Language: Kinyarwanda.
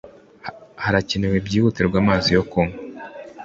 harakenewe byihutirwa amazi yo kunywa